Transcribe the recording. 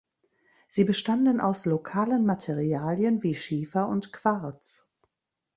Sie bestanden aus lokalen Materialien wie Schiefer und Quarz.